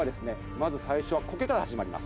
まず最初はコケから始まります。